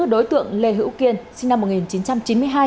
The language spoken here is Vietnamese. đối tượng lê hữu kiên sinh năm một nghìn chín trăm chín mươi hai